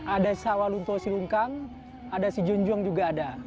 ada sawaluntosilungkang ada sijunjung juga ada